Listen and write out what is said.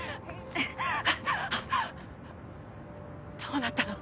どうなったの？